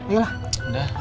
ya yuk lah